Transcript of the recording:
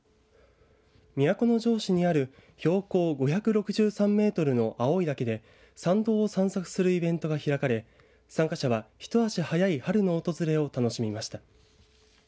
都城市にある標高５６３メートルの青井岳で山道を散策するイベントが開かれ、参加者は一足早い春の訪れを楽しみました。